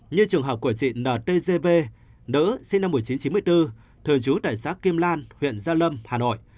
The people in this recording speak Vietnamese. như trường hợp của chị n t g v nữ sinh năm một nghìn chín trăm chín mươi bốn thường trú tại xã kim lan huyện gia lâm hà nội